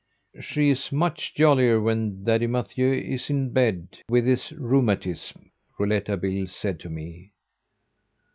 "She is much jollier when Daddy Mathieu is in bed with his rheumatism," Rouletabille said to me.